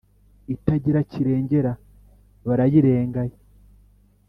itagira kirengera barayirengaya